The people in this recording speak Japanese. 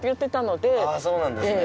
そうなんですね。